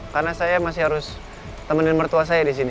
karena saya masih harus temenin mertua saya disini